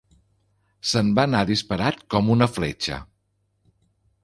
Se'n va anar disparat com una fletxa.